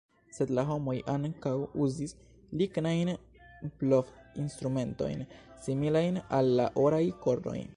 Sed la homoj ankaŭ uzis lignajn blov-instrumentojn similajn al la oraj kornoj.